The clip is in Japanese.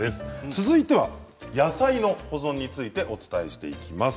続いては野菜の保存についてお伝えしていきます。